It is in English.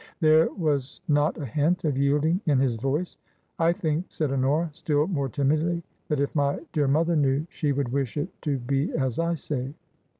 There was not a hint of yielding in his voice. " I think," said Honora, still more timidly, " that if my dear mother knew, she would wish it to be as I say.'